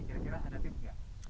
kira kira ada tips nggak